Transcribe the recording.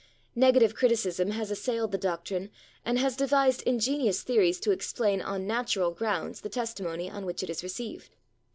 Negative criticism has assailed the doctrine and has devised ingenious theories to explain on natural grounds the testimony on which it is received.